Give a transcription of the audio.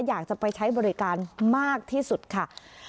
อยากจะไปใช้บริการมากที่สุดค่ะ